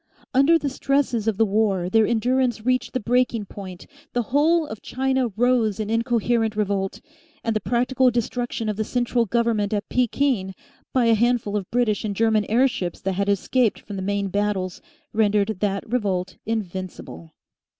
Under the stresses of the war their endurance reached the breaking point, the whole of China rose in incoherent revolt, and the practical destruction of the central government at Pekin by a handful of British and German airships that had escaped from the main battles rendered that revolt invincible.